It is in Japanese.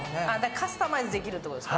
カスタマイズできるってことですか？